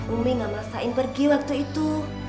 umi gak masain pergi waktu itu